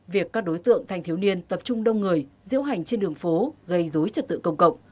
việc các đối tượng thanh thiếu niên tập trung đông người diễu hành trên đường phố gây dối trật tự công cộng